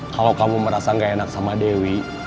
kalau kamu merasa gak enak sama dewi